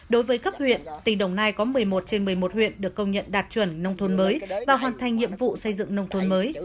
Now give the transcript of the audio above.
đối với cấp huyện tỉnh đồng nai có một mươi một trên một mươi một huyện được công nhận đạt chuẩn nông thôn mới và hoàn thành nhiệm vụ xây dựng nông thôn mới